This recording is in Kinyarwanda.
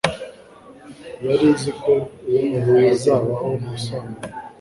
yari izi ko hazabaho ubusambanyi